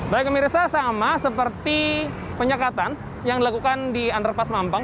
baik pemirsa sama seperti penyekatan yang dilakukan di underpass mampang